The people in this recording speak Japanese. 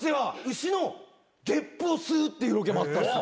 牛のゲップを吸うっていうロケもあったんですよ。